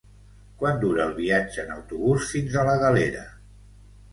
Quant dura el viatge en autobús fins a la Galera?